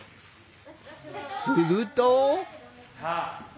すると。